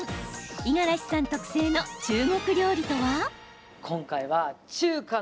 五十嵐さん特製の中国料理とは？